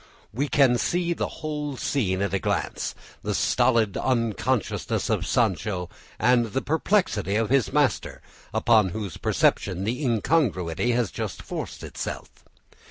We can see the whole scene at a glance, the stolid unconsciousness of Sancho and the perplexity of his master, upon whose perception the incongruity has just forced itself.